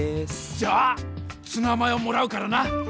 じゃあツナマヨもらうからな！